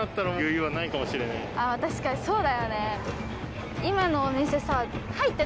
あ確かにそうだよね。